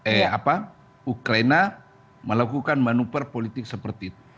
eh apa ukraina melakukan manuver politik seperti itu